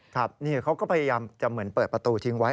ครับเขาก็พยายามจะเปิดประตูทิ้งไว้